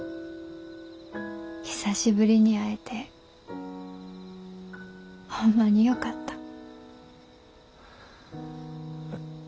久しぶりに会えてホンマによかった。